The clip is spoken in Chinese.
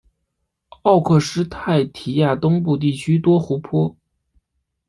奥克施泰提亚东部地区多湖泊。